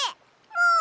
もう！？